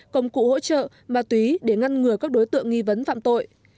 công cụ hỗ trợ ma túy để ngăn ngừa các đối tượng nghi vấn phạm tội